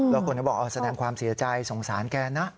แล้วคนก็บอกแสดงความเสียใจสงสารแกนะ